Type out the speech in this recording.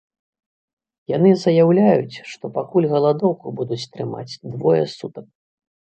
Яны заяўляюць, што пакуль галадоўку будуць трымаць двое сутак.